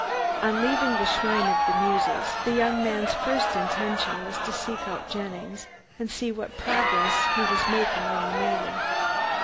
On leaving the "Shrine of the Muses," the young man's first intention was to seek out Jennings and see what progress he was making in the matter.